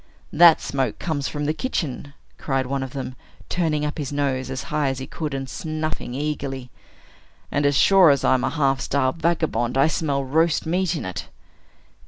"That smoke comes from the kitchen!" cried one of them, turning up his nose as high as he could, and snuffing eagerly. "And, as sure as I'm a half starved vagabond, I smell roast meat in it."